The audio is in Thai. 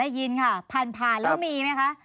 ได้ยินค่ะผ่านแล้วมีไหมคะ